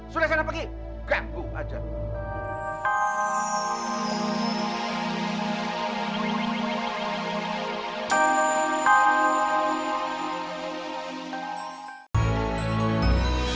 sudah sana pergi ganggu aja